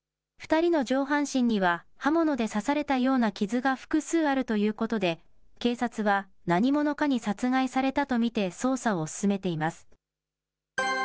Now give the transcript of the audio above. ２人の上半身には、刃物で刺されたような傷が複数あるということで、警察は何者かに殺害されたと見て捜査を進めています。